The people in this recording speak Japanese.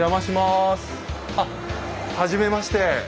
あっはじめまして。